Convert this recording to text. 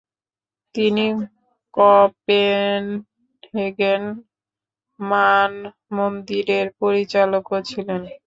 তিনি কোপেনহেগেন মানমন্দিরের পরিচালকও ছিলেন।